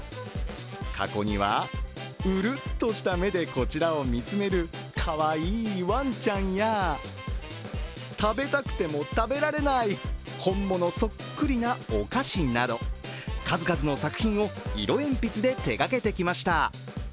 過去にはうるっとした目でこちらを見つめるかわいいワンちゃんや食べたくても食べられない、本物そっくりなお菓子など、数々の作品を色鉛筆で手がけてきました。